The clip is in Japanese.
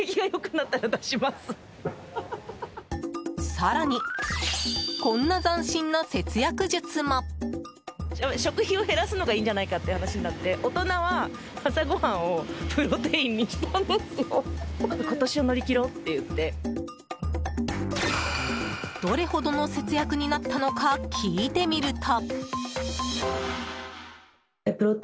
更に、こんな斬新な節約術も。どれほどの節約になったのか聞いてみると。